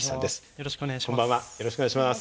よろしくお願いします。